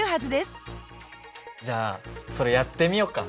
じゃあそれやってみようか。